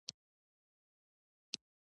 هغوی یو بل ته د ژوند کیسې کولې.